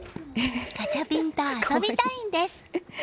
ガチャピンと遊びたいんです。